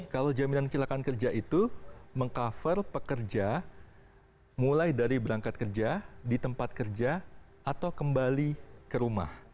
kalau jaminan kecelakaan kerja itu meng cover pekerja mulai dari berangkat kerja di tempat kerja atau kembali ke rumah